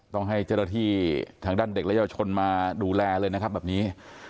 ต้องให้เจ้าหน้าที่ทางด้านเด็กและเยาวชนมาดูแลเลยนะครับแบบนี้